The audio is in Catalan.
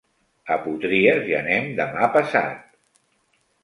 A Potries hi anem demà passat.